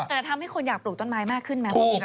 แต่จะทำให้คนอยากปลูกต้นไม้มากขึ้นไหม